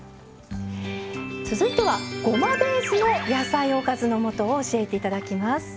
続いてはごまベースの“野菜おかず”のもとを教えて頂きます。